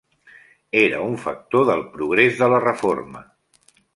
Era un factor del progrés de la Reforma.